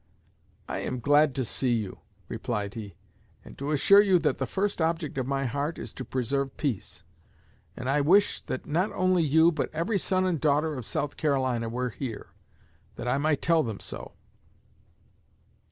'I am glad to see you,' replied he, 'and to assure you that the first object of my heart is to preserve peace, and I wish that not only you but every son and daughter of South Carolina were here, that I might tell them so.'